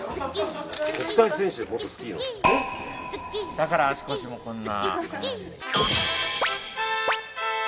だから足腰もこんな。